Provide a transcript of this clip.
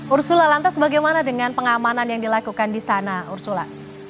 ursula lantas bagaimana dengan pengamanan yang dilakukan di sana ursula